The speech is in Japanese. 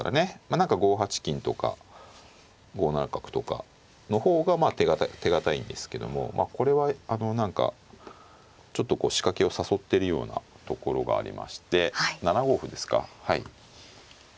何か５八金とか５七角とかの方が手堅いんですけどもこれは何かちょっと仕掛けを誘ってるようなところがありまして７五歩ですかはい。